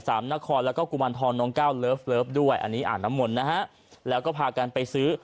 นครแล้วก็กุมารทองน้องก้าวเลิฟเลิฟด้วยอันนี้อ่านน้ำมนต์นะฮะแล้วก็พากันไปซื้อ